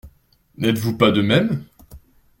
N'êtes-vous pas de même?